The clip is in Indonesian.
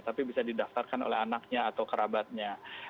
tapi bisa didaftarkan oleh anaknya atau kerabatnya